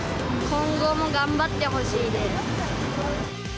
今後も頑張ってほしいです。